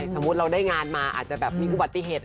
สมมุติเราได้งานมาอาจจะแบบมีอุบัติเหตุ